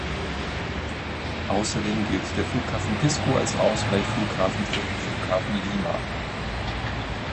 Außerdem gilt der Flughafen Pisco als Ausweichflughafen für den Flughafen Lima.